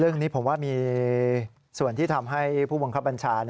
เรื่องนี้ผมว่ามีส่วนที่ทำให้ผู้บังคับบัญชา